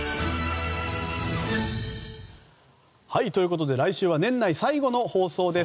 ということで来週は年内最後の放送です。